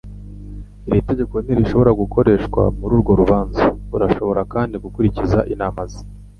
Iri tegeko ntirishobora gukoreshwa mururwo rubanza Urashobora kandi gukurikiza inama ze.